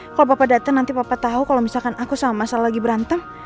kalau papa dateng nanti papa tau kalau misalkan aku sama mas al lagi berantem